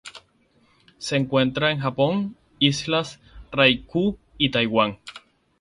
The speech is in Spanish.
Se encuentra en Japón, islas Ryukyu y Taiwán.